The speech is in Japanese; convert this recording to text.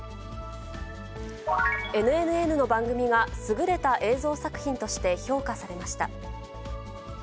ＮＮＮの番組が優れた映像作品として評価されました。